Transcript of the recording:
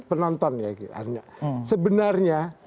penonton ya sebenarnya